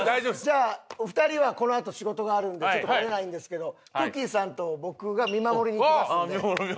じゃあお二人はこのあと仕事があるんでちょっと来れないんですけどくっきー！さんと僕が見守りに行きますんで。